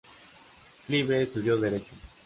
Clive estudió derecho.